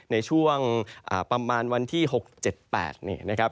ในช่วงประมาณวันที่๖๗๘เนี่ยนะครับ